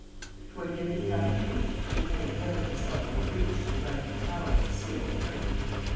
Toward the end of the afternoon Lupin availed himself of a breach to the right of the towers to scale the curtain.